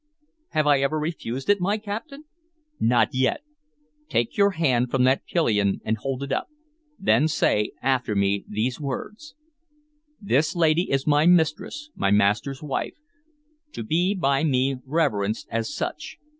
"Have I ever refused it, my captain?" "Not yet. Take your hand from that pillion and hold it up; then say after me these words: 'This lady is my mistress, my master's wife, to be by me reverenced as such.